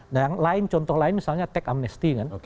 nah yang lain contoh lain misalnya tech amnesty kan